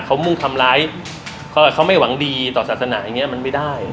เขามุ่งทำร้ายเขาไม่หวังดีต่อศาสนาอย่างเงี้มันไม่ได้